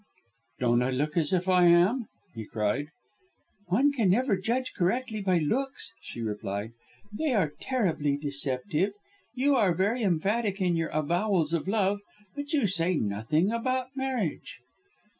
"Don't I look as if I am?" he cried. "One can never judge correctly by looks," she replied; "they are terribly deceptive. You are very emphatic in your avowals of love, but you say nothing about marriage."